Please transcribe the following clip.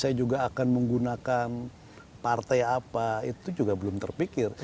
saya juga akan menggunakan partai apa itu juga belum terpikir